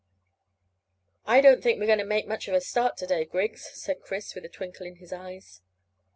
"I don't think we're going to make much of a start to day, Griggs," said Chris, with a twinkle in his eyes.